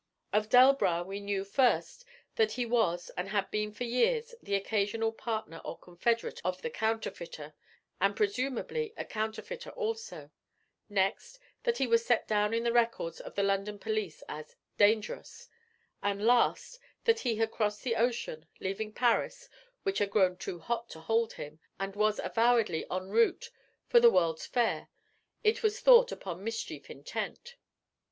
Of Delbras we knew, first, that he was and had been for years the occasional partner or confederate of the counterfeiter, and presumably a counterfeiter also; next, that he was set down in the records of the London police as 'dangerous'; and last, that he had crossed the ocean, leaving Paris, which had grown 'too hot to hold him,' and was avowedly en route for the World's Fair, it was thought upon mischief intent.